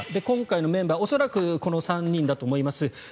今回のメンバー恐らくこの３人だと思います。